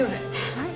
はい